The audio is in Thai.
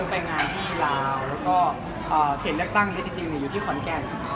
ไปงานที่ลาวแล้วก็เขตเลือกตั้งที่จริงอยู่ที่ขอนแก่น